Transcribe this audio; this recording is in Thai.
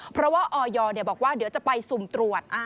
เพราะว่าออยบอกว่าเดี๋ยวจะไปสุ่มตรวจ